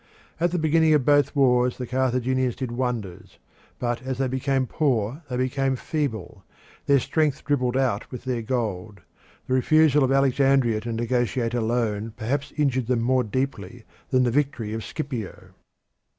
At the beginning of both wars the Carthaginians did wonders, but as they became poor they became feeble; their strength dribbled out with their gold; the refusal of Alexandria to negotiate a loan perhaps injured them more deeply than the victory of Scipio.